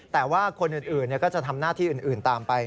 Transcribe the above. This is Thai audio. แต่ว่าคนอื่นก็จะทำหน้าที่อื่นตามไป